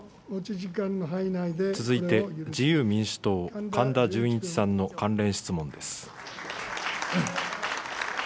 続いて、自由民主党、神田潤一さんの関連質問です。